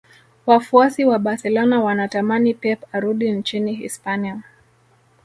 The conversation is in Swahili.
wafuasi wa barcelona wanatamani pep arudi nchini hispania